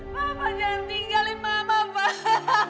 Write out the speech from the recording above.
bapak jangan tinggalin mama mbak